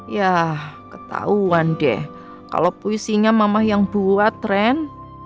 yah ketauan deh kalo puisinya mamah yang buat ren